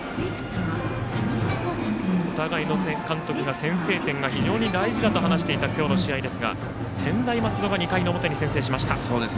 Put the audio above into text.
お互いの監督が先制点が非常に大事だと話していた今日の試合ですが専大松戸が２回の表に先制しました。